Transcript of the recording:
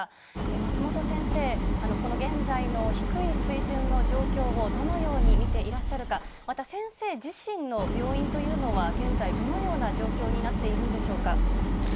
松本先生、この現在の低い水準の状況をどのように見ていらっしゃるか、また先生自身の病院というのは現在、どのような状況になっているんでしょうか。